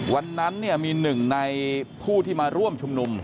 วันนั้นมีหนึ่งในผู้ที่มาร่วมชุมนุม